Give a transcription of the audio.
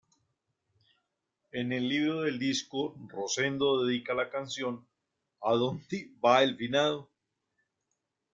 En el libreto del disco Rosendo dedica la canción "¿A dónde va el finado?